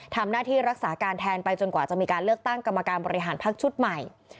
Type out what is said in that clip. ทำหน้าที่รักษาการแทนไปจนกว่าจะมีการเลือกตั้งกรรมการบริหารพักชุดใหม่